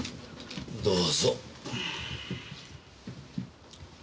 どうぞ。